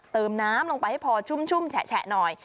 เติมน้ำลงไปให้พอชุ่มแฉะหน่อย